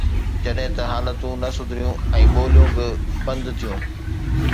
جڏهن ته حالتون نه سڌريون ۽ ٻوليون به بند ٿيون.